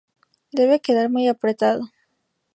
Debe quedar muy apretado.